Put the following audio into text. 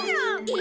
え！